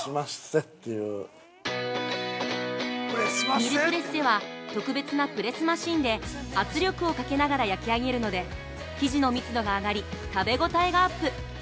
◆ミルプレッセは、特別なプレスマシンで圧力をかけながら焼き上げるので、生地の密度が上がり、食べ応えがアップ。